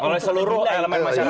oleh seluruh elemen masyarakat